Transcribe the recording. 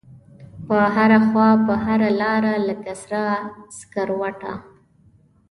په هره خواپه هره لاره لکه سره سکروټه